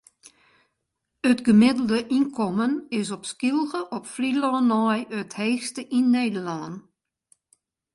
It gemiddelde ynkommen is op Skylge op Flylân nei it heechste yn Nederlân.